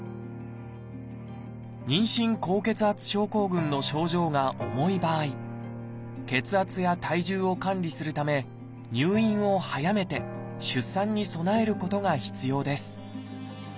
妊娠高血圧症候群の症状が重い場合血圧や体重を管理するため入院を早めて出産に備えることが必要です。